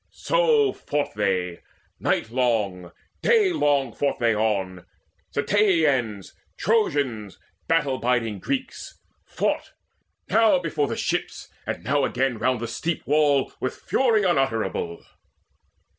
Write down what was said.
So fought they: nightlong, daylong fought they on, Ceteians, Trojans, battle biding Greeks, Fought, now before the ships, and now again Round the steep wall, with fury unutterable.